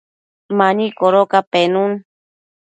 mani codoca penun